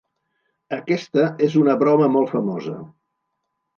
Aquesta és una broma molt famosa.